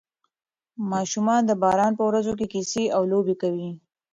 ماشومان د باران په ورځو کې کیسې او لوبې کوي.